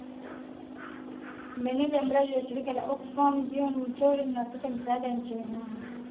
meneja mradi wa shirika la oxfam gion mtoro linalotoa misaada nchini humo